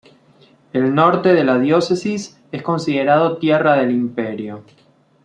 El norte de la diócesis es considerado tierra del Imperio.